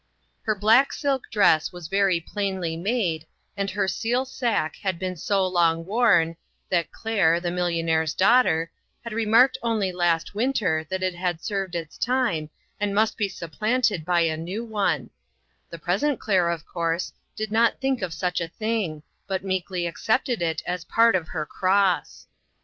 Her black silk dress was very plainly made, and her seal sacque had been so long worn, that Claire, the millionnaire's daughter, had remarked only last winter that it had served its time and must be supplanted by a new one ; the present Claire, of course, did not think of such a thing, but meekly accepted it as part of her cross